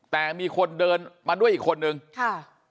แต่มีคนเดินมาด้วยอีกคนนึงค่ะ